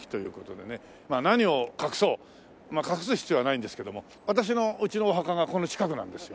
何を隠そう隠す必要はないんですけども私の家のお墓がこの近くなんですよ。